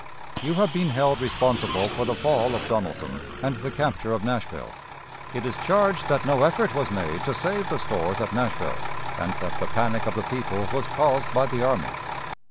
You have been held responsible for the fall of Donelson and the capture of Nashville. It is charged that no effort was made to save the stores at Nashville, and that the panic of the people was caused by the army.